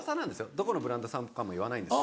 どこのブランドさんかも言わないですけど。